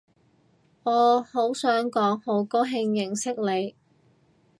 我想講好高興認識你